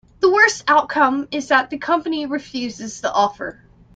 The worst outcome is that the company refuses the offer.